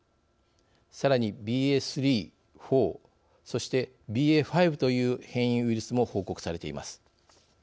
さらにＢＡ．３４そしてＢＡ．５という変異ウイルスも報告されています。